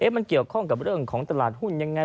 มันเกี่ยวข้องกับเรื่องของตลาดหุ้นยังไง